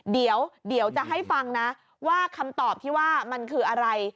เดี๋ยวจะให้ฟังนะว่าคำตอบที่ว่ามันคืออะไร